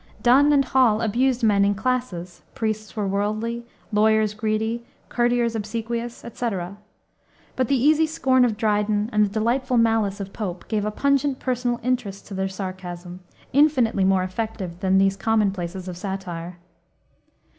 Donne and Hall abused men in classes: priests were worldly, lawyers greedy, courtiers obsequious, etc. But the easy scorn of Dryden and the delightful malice of Pope gave a pungent personal interest to their sarcasm, infinitely more effective than these commonplaces of satire.